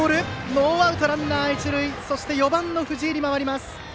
ノーアウトランナー、一塁で４番の藤井に回ります。